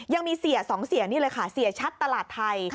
ยังมีเสีย๒เสียนี่เลยค่ะเสียชัดตลาดไทย